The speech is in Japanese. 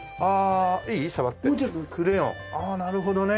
ああなるほどね。